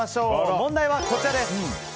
問題はこちらです。